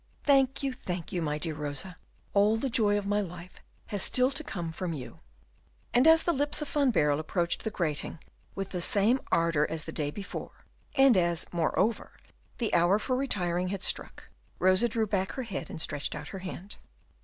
"Thank you, thank you, my dear Rosa. All the joy of my life has still to come from you." And as the lips of Van Baerle approached the grating with the same ardor as the day before, and as, moreover, the hour for retiring had struck, Rosa drew back her head, and stretched out her hand.